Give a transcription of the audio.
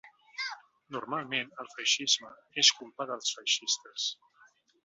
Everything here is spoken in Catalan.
Normalment el feixisme és culpa dels feixistes.